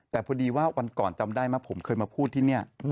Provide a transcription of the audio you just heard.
แต่พอดีว่าวันก่อนจำได้ไหมผมเคยมาพูดที่นี่